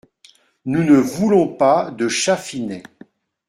Nous ne voulons pas de Chatfinet…